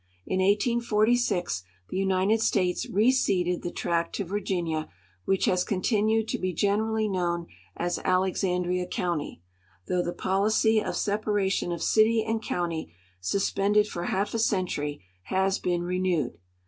In 1846 the United States re ceded the tract to Virginia, Avhich has continued to be generally knoAvn as Alex andria county, though the policy of separation of city and county, suspended for half a century, has been reneAved.